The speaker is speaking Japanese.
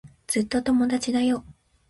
ずっと友達だよ。